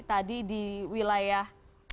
tadi di wilayah